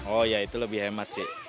oh ya itu lebih hemat sih